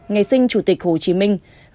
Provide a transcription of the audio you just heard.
ngày sinh chủ tịch hồ chí minh